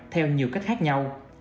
theo nhiều cách khác nhau